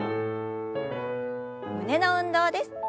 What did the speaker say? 胸の運動です。